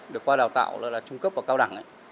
được qua đào tạo là trung cấp và cao đẳng